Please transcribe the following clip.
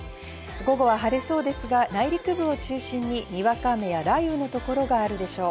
午後は晴れそうですが、内陸部を中心ににわか雨や雷雨の所があるでしょう。